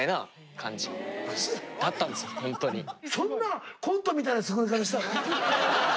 そんなコントみたいな作り方したの？